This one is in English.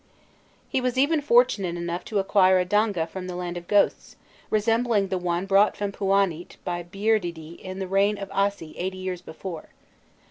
He was even fortunate enough to acquire a Danga from the land of ghosts, resembling the one brought from Pûanît by Biûrdidi in the reign of Assi eighty years before.